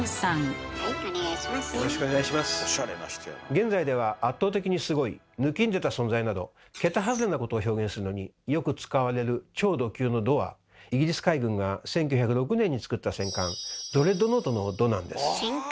現在では「圧倒的にすごい」「ぬきんでた存在」などケタ外れなことを表現するのによく使われる「超ド級」の「ド」はイギリス海軍が１９０６年に造った戦艦ドレッドノートの「ド」なんです。